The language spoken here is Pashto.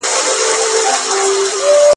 • د ژمي په لمر مه نازېږه، د دښمن په خندا.